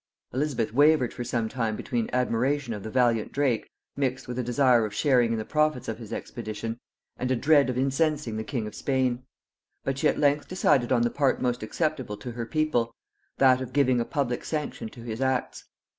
Elizabeth wavered for some time between admiration of the valiant Drake, mixed with a desire of sharing in the profits of his expedition, and a dread of incensing the king of Spain; but she at length decided on the part most acceptable to her people, that of giving a public sanction to his acts.